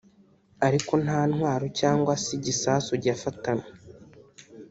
ariko nta ntwaro cyangwa se igisasu yafatanywe